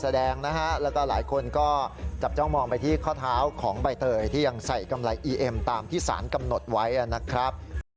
แสดงนะฮะแล้วก็หลายคนก็จับจ้องมองไปที่ข้อเท้าของใบเตยที่ยังใส่กำไรอีเอ็มตามที่สารกำหนดไว้นะครับ